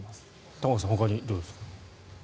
玉川さんほかにどうですか。